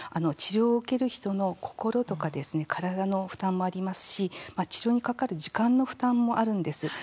治療を受ける人の心とか体の負担もありますし治療にかかる時間の負担もあるんです。